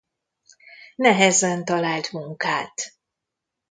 Nehezen talált munkát.